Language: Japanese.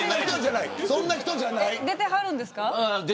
出てはるんですか。